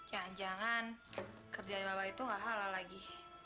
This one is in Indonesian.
ya jangan kerjaan bapak itu enggak halal lagi